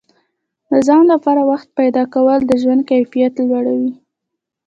د ځان لپاره وخت پیدا کول د ژوند کیفیت لوړوي.